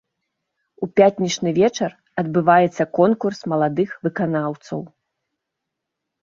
У пятнічны вечар адбываецца конкурс маладых выканаўцаў.